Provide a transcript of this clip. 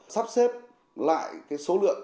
sắp xếp lại số lượng